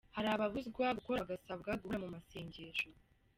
Hari ababuzwa gukora bagasabwa guhora mu masengesho.